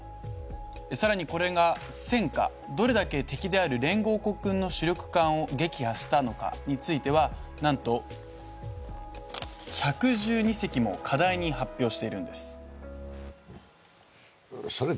さらにこれが戦果どれだけ敵である連合国軍の主力艦を撃破したのかについては何と１１２隻も過大に発表しているんですそれ